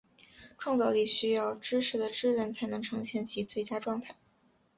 创造力需要知识的支援才能呈现其最佳状态。